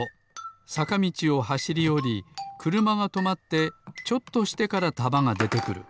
さかみちをはしりおりくるまがとまってちょっとしてからたまがでてくる。